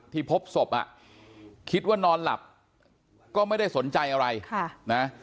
พบศพอ่ะคิดว่านอนหลับก็ไม่ได้สนใจอะไรนะ